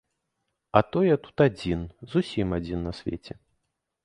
А то я тут адзін, зусім адзін на свеце.